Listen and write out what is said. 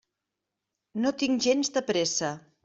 No tinc gens de pressa.